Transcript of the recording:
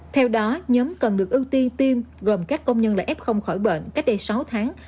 theo đó nhóm cần được ưu tiên tiêm gồm các công nhân lại ép không khỏi bệnh cách đây sáu tháng